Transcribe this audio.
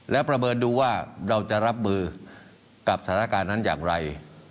และประเมินดูว่าเราจะรับมือกับสถานการณ์นั้นอย่างไร